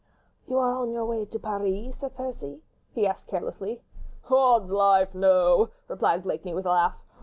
"You are on your way to Paris, Sir Percy?" he asked carelessly. "Odd's life, no," replied Blakeney, with a laugh.